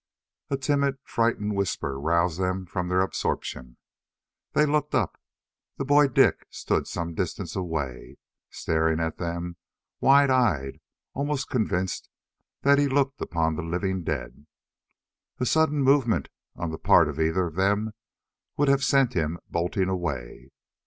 A timid, frightened whisper roused them from their absorption. They looked up. The boy Dik stood some distance away, staring at them wide eyed, almost convinced that he looked upon the living dead. A sudden movement on the part of either of them would have sent him bolting away.